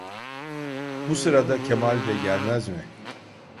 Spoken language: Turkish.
Bu sırada Kemal de gelmez mi?